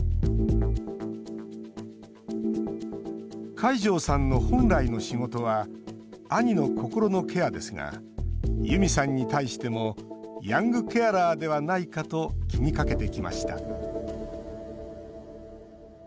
海上さんの本来の仕事は兄の心のケアですがユミさんに対してもヤングケアラーではないかと気にかけてきました。